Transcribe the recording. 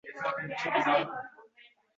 Uni sinfdoshim ikkalamiz sudradik.